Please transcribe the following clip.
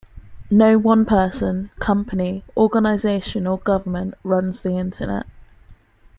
No one person, company, organization or government runs the Internet.